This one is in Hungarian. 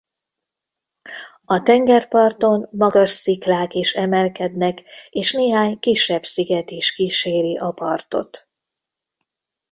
A tengerparton magas sziklák is emelkednek és néhány kisebb sziget is kíséri a partot.